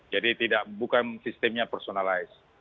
jadi bukan sistemnya personalize